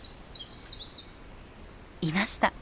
いました！